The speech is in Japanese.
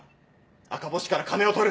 赤星から金を取る。